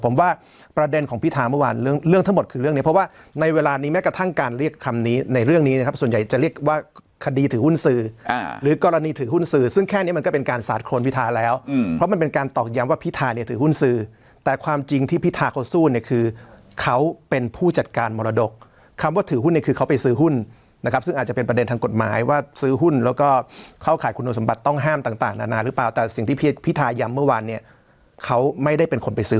ผมว่าประเด็นของพิทาเมื่อวานเรื่องทั้งหมดคือเรื่องนี้เพราะว่าในเวลานี้แม้กระทั่งการเรียกคำนี้ในเรื่องนี้นะครับส่วนใหญ่จะเรียกว่าคดีถือหุ้นสื่อหรือกรณีถือหุ้นสื่อซึ่งแค่นี้มันก็เป็นการสาดโครนพิทาแล้วเพราะมันเป็นการตอบย้ำว่าพิทาเนี่ยถือหุ้นสื่อแต่ความจริงที่พิทาเขาสู้เนี่ยคื